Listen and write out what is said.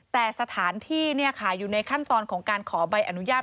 แต่สถานที่อยู่ในขั้นตอนของการขอใบอนุญาต